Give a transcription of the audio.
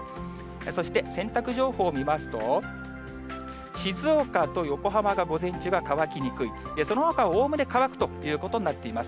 そして、洗濯情報を見ますと、静岡と横浜が午前中が乾きにくい、そのほかはおおむね乾くということになっています。